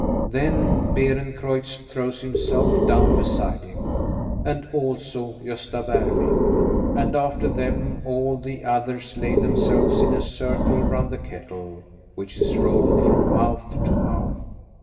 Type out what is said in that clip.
Then Beerencreutz throws himself down beside him, and also Gosta Berling; and after them all the others lay themselves in a circle round the kettle, which is rolled from mouth to mouth.